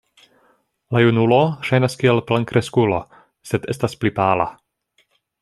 La junulo ŝajnas kiel plenkreskulo, sed estas pli pala.